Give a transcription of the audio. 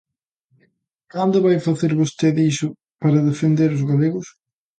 ¿Cando vai facer vostede iso para defender os galegos?